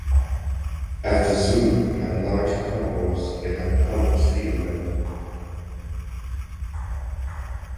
As the zoo had large carnivores it had problems feeding them.